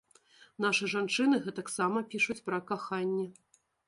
Нашы жанчыны гэтак сама пішуць пра каханне.